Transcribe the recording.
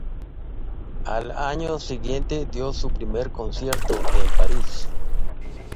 Al año siguiente dio su primer concierto en París.